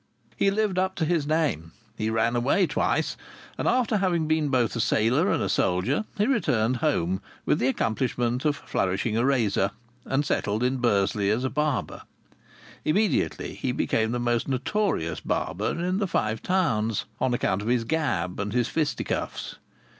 He lived up to his name. He ran away twice, and after having been both a sailor and a soldier, he returned home with the accomplishment of flourishing a razor, and settled in Bursley as a barber. Immediately he became the most notorious barber in the Five Towns, on account of his gab and his fisticuffs.